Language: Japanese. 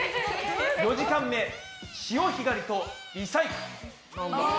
４時間目「潮干狩りとリサイクル」。